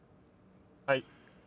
はい。